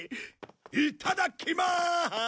いただきまーす！